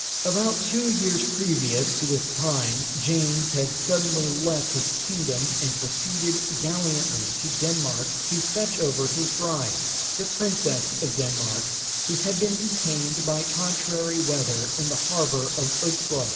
About two years previous to this time, James had suddenly left his kingdom, and proceeded gallantly to Denmark, to fetch over his bride, the Princess of Denmark, who had been detained by contrary weather in the harbour of Upslo.